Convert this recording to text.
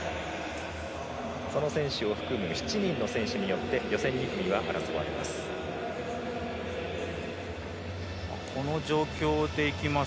その選手を含む７人の選手によって予選２組は争われます。